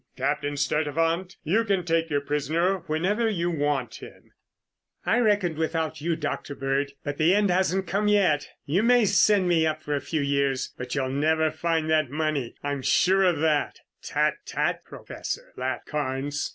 Captain Sturtevant, you can take your prisoner whenever you want him." "I reckoned without you, Dr. Bird, but the end hasn't come yet. You may send me up for a few years, but you'll never find that money. I'm sure of that." "Tut, tut, Professor," laughed Carnes.